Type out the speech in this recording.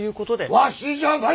わしじゃない！